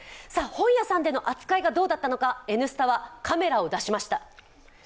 本屋さんでの扱いがどうだったのか、「Ｎスタ」はカメラを出しました。